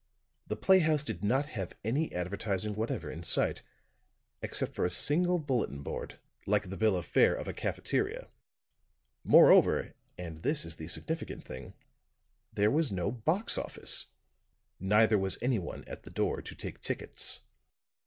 The playhouse did not have any advertising whatever in sight, except for a single bulletin board, like the bill of fare of a cafeteria. Moreover and this is the significant thing there was no box office, neither was any one at the door to take tickets.